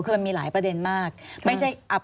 ควิทยาลัยเชียร์สวัสดีครับ